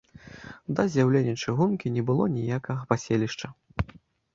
Да з'яўлення чыгункі не было ніякага паселішча.